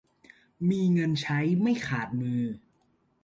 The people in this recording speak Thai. มีเงินใช้ไม่ขาดมือ